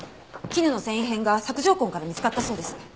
絹の繊維片が索条痕から見つかったそうです。